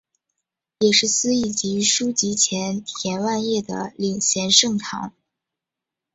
也是司铎级枢机前田万叶的领衔圣堂。